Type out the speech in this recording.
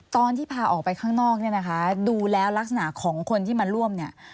ตอนที่พาออกไปข้างนอกเนี่ยนะคะดูแล้วลักษณะของคนที่มาร่วมเนี่ย